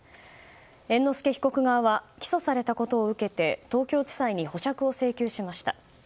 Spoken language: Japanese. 猿之助被告側は起訴されたことを受けて東京地裁に保釈を請求しました。